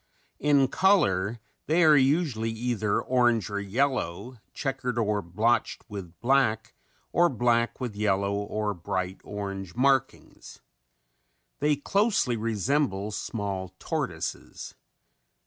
In color they are usually either orange or yellow, checkered or blotched with black or black with yellow or bright orange markings. They closely resemble small tortoises.